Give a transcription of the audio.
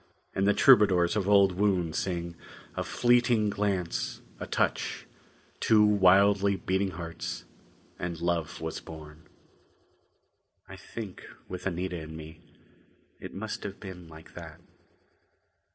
And the troubadours of old would sing: "A fleeting glance; a touch; two wildly beating hearts and love was born." I think, with Anita and me, it must have been like that.